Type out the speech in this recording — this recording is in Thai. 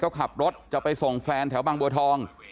ก็ขับรถจะไปส่งแฟนแถวบางบัวทอง